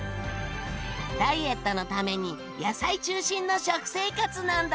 ダイエットのために野菜中心の食生活なんだって。